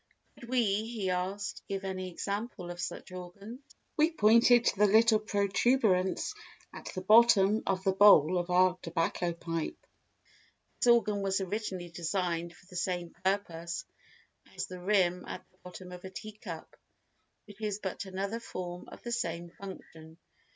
Could we, he asked, give any example of such organs? We pointed to the little protuberance at the bottom of the bowl of our tobacco pipe. This organ was originally designed for the same purpose as the rim at the bottom of a tea cup, which is but another form of the same function.